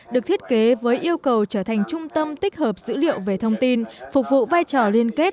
được thiết kế với yêu cầu trở thành trung tâm tích hợp dữ liệu về thông tin phục vụ vai trò liên kết